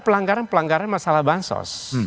pelanggaran pelanggaran masalah bansos